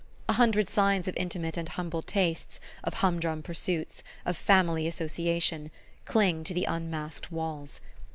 A hundred signs of intimate and humble tastes, of humdrum pursuits, of family association, cling to the unmasked walls.